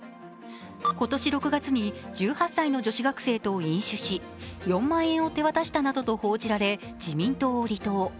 今年６月に１８歳の女子学生と飲酒し４万円を手渡したなどと報じられ、自民党を離党。